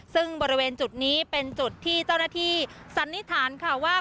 ซึ่งบริเวณจุดนี้เป็นจุดที่เจ้าหน้าที่สันนิษฐานค่ะว่า